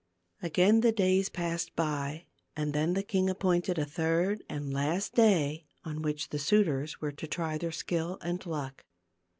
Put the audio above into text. Again the days passed by and then the king appointed a third and last day, on which the suitors were to try their skill and luck.